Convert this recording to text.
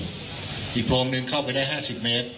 คุณผู้ชมไปฟังผู้ว่ารัฐกาลจังหวัดเชียงรายแถลงตอนนี้ค่ะ